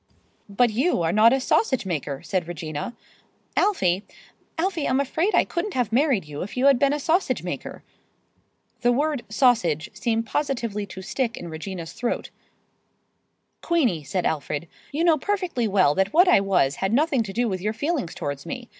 "But you are not a sausage maker," said Regina. "Alfie, Alfie, I'm afraid I couldn't have married you if you had been a sausage maker." The word "sausage" seemed positively to stick in Regina's throat. "Queenie," said Alfred, "you know perfectly well that what I was had nothing to do with your feelings towards me.